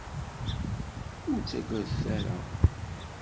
Ur ttagadet ara!